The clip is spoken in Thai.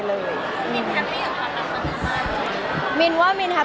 มันเป็นเรื่องน่ารักที่เวลาเจอกันเราต้องแซวอะไรอย่างเงี้ย